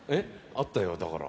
会ったよだから。